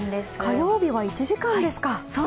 火曜日は１時間ですか。